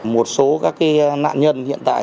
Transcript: một số các nạn nhân hiện tại